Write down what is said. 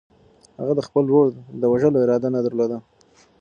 هغه د خپل ورور د وژلو اراده نه درلوده.